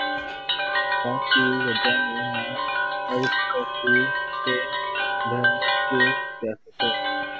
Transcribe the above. مفاد کی وجہ میں نے عرض کر دی کہ دھڑے کی سیاست ہے۔